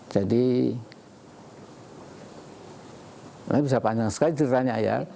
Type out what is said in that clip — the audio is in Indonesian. jadi ini bisa panjang sekali ceritanya ya